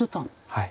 はい。